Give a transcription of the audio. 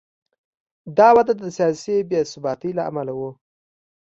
دا وده د سیاسي بې ثباتۍ له امله و.